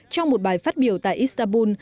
trong một bài phát biểu tại istanbul